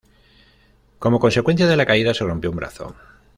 Como consecuencia de la caída se rompió un brazo.